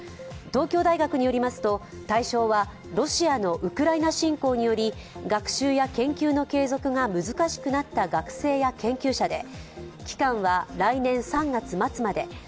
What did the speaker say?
東京大学によりますと対象はロシアのウクライナ侵攻により学習や研究の継続が難しくなった学生や研究者で、期間は来年３月末まで。